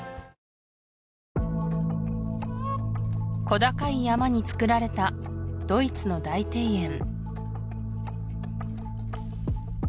小高い山につくられたドイツの大庭園